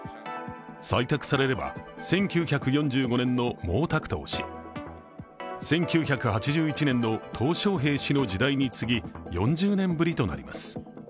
採択されれば、１９４５年の毛沢東氏、１９８１年のトウ小平氏の時代に次ぎ、４０年ぶりとなります。